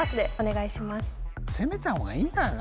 攻めた方がいいんだよな